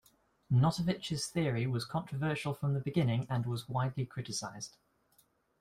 Notovitch's theory was controversial from the beginning and was widely criticized.